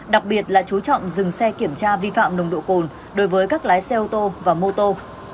đặc biệt là chú trọng dừng xe kiểm tra vi phạm nồng độ cồn đối với các lái xe ô tô và mô tô